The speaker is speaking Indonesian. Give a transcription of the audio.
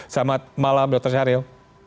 selamat malam dr syahril